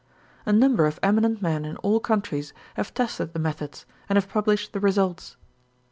A number of eminent men in all countries have tested the methods and have published the results.